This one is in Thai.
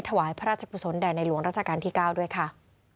ถวายพระราชกุศลใดรวงรักษาการที่๙ด้วยค่ะ